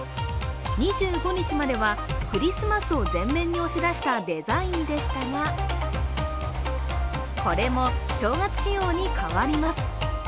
２５日まではクリスマスを前面に押し出したデザインでしたがこれも正月仕様に変わります。